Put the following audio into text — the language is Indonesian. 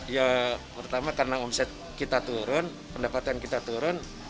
ya pertama karena omset kita turun pendapatan kita turun